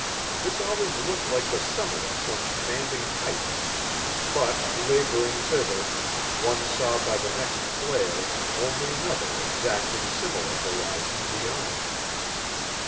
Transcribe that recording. This always looked like the summit of some commanding height; but labouring thither one saw by the next flare only another exactly similar horizon beyond.